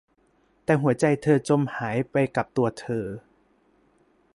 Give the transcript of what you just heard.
แต่หัวใจเธอจมหายไปกับตัวเธอ